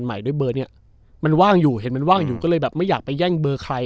ใหม่ด้วยเบอร์เนี้ยมันว่างอยู่เห็นมันว่างอยู่ก็เลยแบบไม่อยากไปแย่งเบอร์ใคร